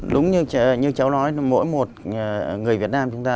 đúng như cháu nói mỗi một người việt nam chúng ta